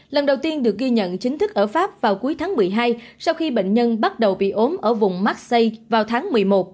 lần đầu tiên được ghi nhận chính thức ở pháp vào cuối tháng một mươi hai sau khi bệnh nhân bắt đầu bị ốm ở vùng maxi vào tháng một mươi một